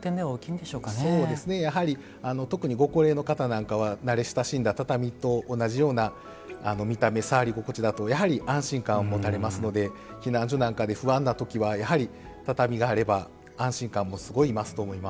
そうですねやはり特にご高齢の方なんかは慣れ親しんだ畳と同じような見た目触り心地だとやはり安心感を持たれますので避難所なんかで不安な時はやはり畳があれば安心感もすごい増すと思います。